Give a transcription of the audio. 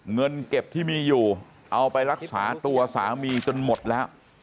เงินเก็บที่มีอยู่เอาไปรักษาตัวสามีจนหมดแล้ว